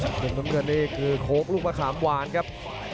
กรี๊มสำคัญอีกคือโคกลูกมะขามหวานครับ